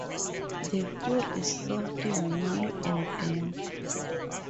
The fur is soft, woolly and dense.